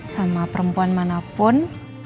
sama perempuan manapun